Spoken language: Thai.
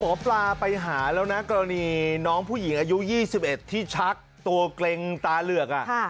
หมอปลาไปหาแล้วนะกรณีน้องผู้หญิงอายุ๒๑ที่ชักตัวเกร็งตาเหลือก